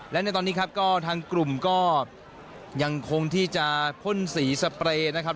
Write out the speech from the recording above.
และในตอนนี้ครับก็ทางกลุ่มก็ยังคงที่จะพ่นสีสเปรย์นะครับ